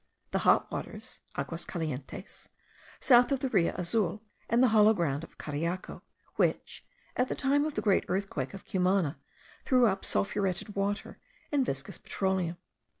The Hot Waters (Aguas Calientes) south of the Rio Azul, and the Hollow Ground of Cariaco, which, at the time of the great earthquake of Cumana, threw up sulphuretted water and viscous petroleum.